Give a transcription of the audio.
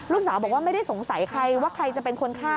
ลูกสาวบอกว่าไม่ได้สงสัยใครว่าใครจะเป็นคนฆ่า